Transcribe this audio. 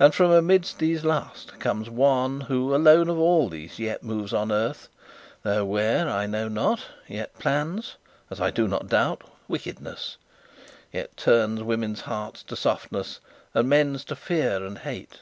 And, from amidst these last, comes one who alone of all of them yet moves on earth, though where I know not, yet plans (as I do not doubt) wickedness, yet turns women's hearts to softness and men's to fear and hate.